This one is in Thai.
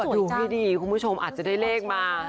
ดวงพี่ดีคุณผู้ชมเขาอาจจะได้เลขมา